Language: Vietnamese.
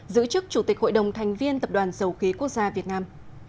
giữ chức chủ tịch hội đồng thành viên tập đoàn dầu khí quốc gia việt nam